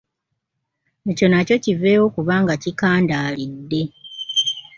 Ekyo nakyo kiveewo kubanga kikandaalidde.